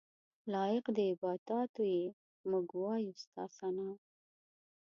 لایق د عباداتو یې موږ وایو ستا ثناء.